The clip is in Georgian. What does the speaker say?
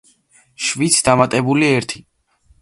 შვიდს დამატებული ერთი.